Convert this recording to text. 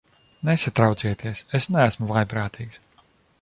Nesatraucieties, es neesmu vājprātīgs.